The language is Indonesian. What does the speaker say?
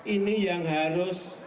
ini yang harus